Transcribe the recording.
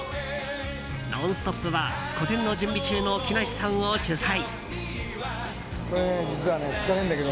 「ノンストップ！」は個展の準備中の木梨さんを取材。